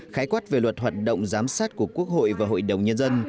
khái quát về luật hoạt động giám sát của quốc hội và hội đồng nhân dân